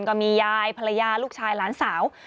ก็มียายภรรยาลูกชายหลานสาว